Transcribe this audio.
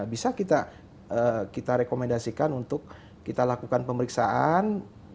bisa kita rekomendasikan untuk kita lakukan pemeriksaan